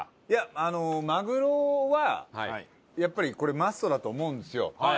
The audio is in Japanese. いやあのまぐろはやっぱりこれマストだと思うんですよ。